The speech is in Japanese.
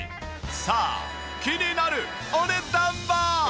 さあ気になるお値段は？